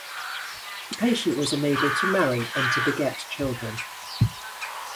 The patient was enabled to marry and to beget children.